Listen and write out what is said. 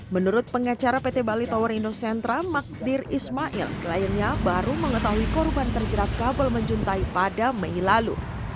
menurut pengacara pt bali tower indo sentra magdir ismail kliennya baru mengetahui korban terjerat kabel menjuntai pada mei lalu